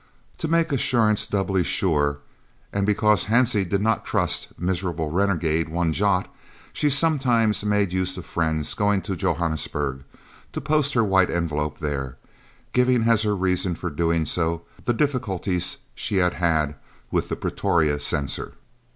To make assurance doubly sure, and because Hansie did not trust "Miserable Renegade" one jot, she sometimes made use of friends, going to Johannesburg, to post her White Envelope there, giving as her reason for doing so the difficulties she had had with the Pretoria censor.